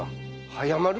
早まる？